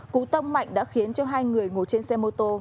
cú tông mạnh đã khiến cho hai người ngồi trên xe mô tô